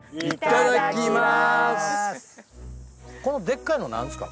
このでっかいの何ですか？